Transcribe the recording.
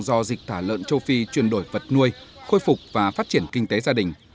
do dịch tả lợn châu phi chuyển đổi vật nuôi khôi phục và phát triển kinh tế gia đình